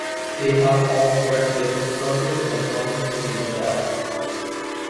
They have all very different structures and functions in the cell.